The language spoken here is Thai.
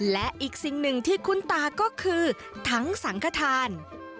และอีกสิ่งหนึ่งที่คุ้นตาก็คือทั้งสังขทาน